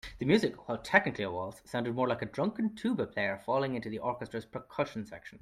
The music, while technically a waltz, sounded more like a drunken tuba player falling into the orchestra's percussion section.